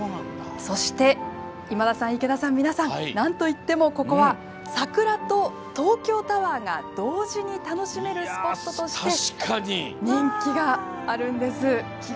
そして、今田さん、池田さん皆さんなんといっても、ここは桜と東京タワーが同時に楽しめるスポットとして人気があるんです。